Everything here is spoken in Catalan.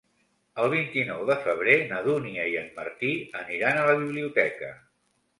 El vint-i-nou de febrer na Dúnia i en Martí aniran a la biblioteca.